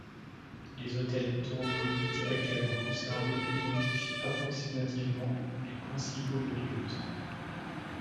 Les autels tauroboliques actuellement conservés identifient approximativement les principaux lieux de culte.